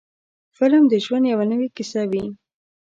فلم د ژوند یوه نوې کیسه وي.